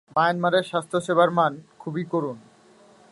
মায়ানমারের স্বাস্থ্যসেবার মান খুবই করুণ।